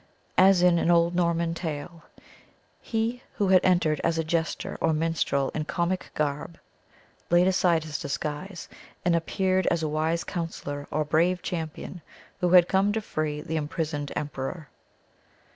As in an old Norman tale, he who had entered as a jester or minstrel in comic garb, laid aside his disguise, and appeared as a wise counsellor or brave champion who had come to free the imprisoned emperor.